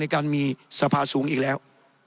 การมีสภาสูงอีกแล้ว